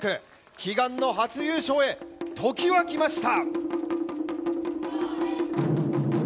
悲願の初優勝へ、時は来ました。